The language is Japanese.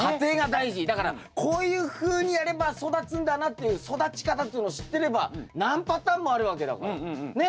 だからこういうふうにやれば育つんだなっていう育ち方っていうのを知ってれば何パターンもあるわけだから。ね？